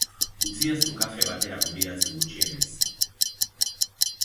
Utzidazu kafe batera gonbidatzen gutxienez.